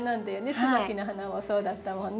ツバキの花もそうだったもんね。